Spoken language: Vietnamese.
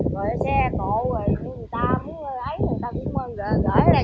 rồi xe cộ người ta muốn lấy người ta cũng gửi lại